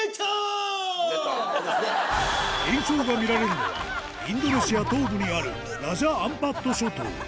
現象が見られるのはインドネシア東部にあるラジャ・アンパット諸島